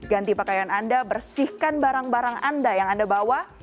ganti pakaian anda bersihkan barang barang anda yang anda bawa